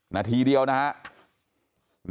นาทีเดียวนะครับ